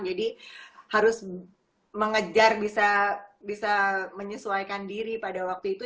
jadi harus mengejar bisa menyesuaikan diri pada waktu itu